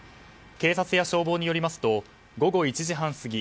警察や消防によりますと午後１時半過ぎ